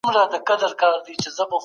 پارلمان نړیوال قانون نه نقض کوي.